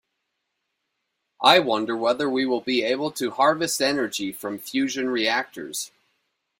I wonder whether we will be able to harvest energy from fusion reactors.